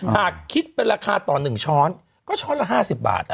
หากคิดเป็นราคาต่อ๑ช้อนก็ช้อนละ๕๐บาท